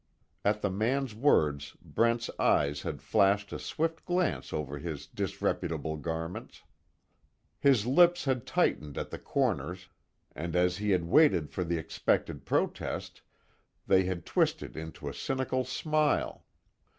At the man's words Brent's eyes had flashed a swift glance over his disreputable garments. His lips had tightened at the corners, and as he had waited for the expected protest, they had twisted into a cynical smile.